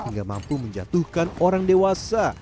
hingga mampu menjatuhkan orang dewasa